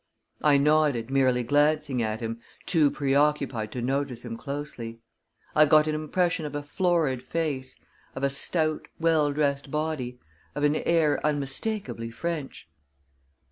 I nodded, merely glancing at him, too preoccupied to notice him closely. I got an impression of a florid face, of a stout, well dressed body, of an air unmistakably French.